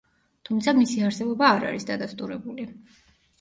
თუმცა მისი არსებობა არ არის დადასტურებული.